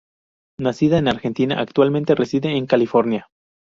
Nacida en Argentina, actualmente reside en California.